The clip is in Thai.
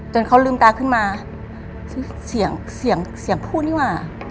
จนเขาลืมตาขึ้นมาเสียงพูดนี่หว่า